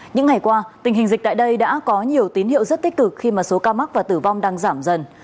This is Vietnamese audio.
những ngày qua tình hình dịch tại đây đã có nhiều tín hiệu rất tích cực khi mà số ca mắc và tử vong đang giảm dần